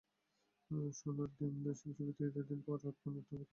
সোনার ডিমদেশ টিভিতে ঈদের দিন রাত পৌনে আটটায় প্রচারিত হবে নাটক সোনার ডিম।